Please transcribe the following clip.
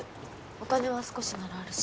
お金は少しならあるし。